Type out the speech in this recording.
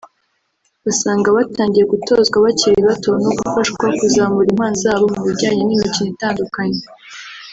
basanga batangiye gutozwa bakiri bato no gufashwa kuzamura impano zabo mu bijyanye n’imikino itandukanye